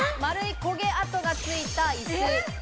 丸い焦げ跡がついたいす。